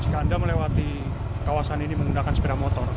jika anda melewati kawasan ini menggunakan sepeda motor